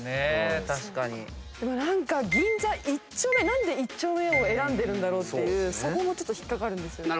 何で一丁目を選んでるんだろうっていうそこも引っ掛かるんですよ。